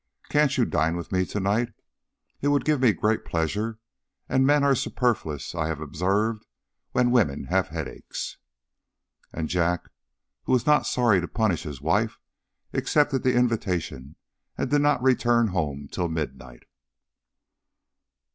Can't you dine with me to night? It would give me great pleasure, and men are superfluous, I have observed, when women have headaches." And Jack, who was not sorry to punish his wife, accepted the invitation and did not return home till midnight.